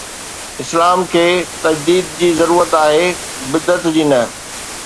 اسلام کي تجديد جي ضرورت آهي، بدعت جي نه.